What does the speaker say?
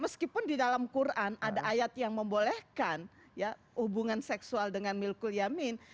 meskipun di dalam quran ada ayat yang membolehkan ya hubungan seksual dengan milkul yamin